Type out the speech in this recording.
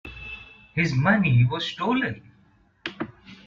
His money was stolen.